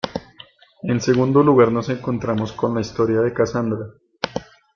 En segundo lugar, nos encontramos con la historia de Cassandra.